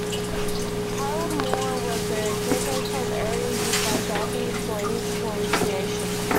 Harold Moore was the caretaker of the area used by Davey employees for recreation.